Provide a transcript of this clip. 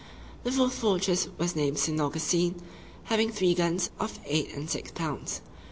The fourth fortress was named St. Augustine, having three guns of eight and six pounds.